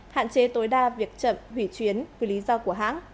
hạn chế tối đa việc chậm hủy chuyến vì lý do của hãng